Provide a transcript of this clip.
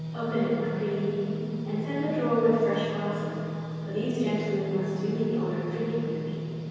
Open it, my pretty Hebe, and send a drawer with fresh glasses, for these gentlemen must do me the honour of drinking with me.